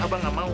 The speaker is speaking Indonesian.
abah gak mau